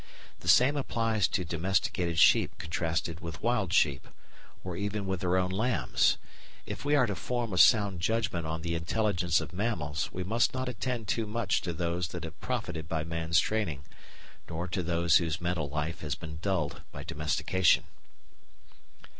The same applies to domesticated sheep contrasted with wild sheep, or even with their own lambs. If we are to form a sound judgment on the intelligence of mammals we must not attend too much to those that have profited by man's training, nor to those whose mental life has been dulled by domestication.